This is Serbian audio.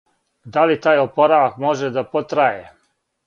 Да ли тај опоравак може да потраје?